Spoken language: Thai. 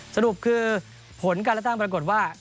สรุปคือผลการตั้งปรากฏว่า